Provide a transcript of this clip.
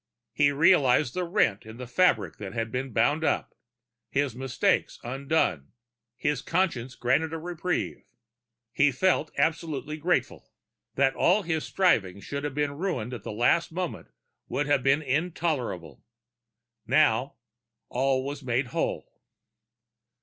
_ He realized the rent in the fabric had been bound up, his mistakes undone, his conscience granted a reprieve. He felt absurdly grateful. That all his striving should have been ruined at the last moment would have been intolerable. Now, all was made whole.